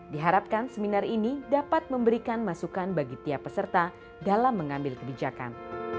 diharapkan seminar ini dapat memberikan masukan bagi tiap peserta dalam mengambil kebijakan